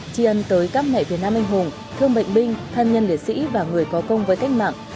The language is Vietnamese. tri ân tới các mẹ việt nam anh hùng thương bệnh binh thân nhân liệt sĩ và người có công với cách mạng